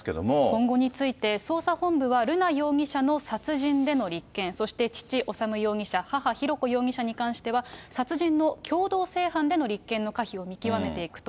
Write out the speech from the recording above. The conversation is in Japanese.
今後について、捜査本部は瑠奈容疑者の殺人での立件、そして父、修容疑者、母、浩子容疑者に関しては、殺人の共同正犯での立件の可否を見極めていくと。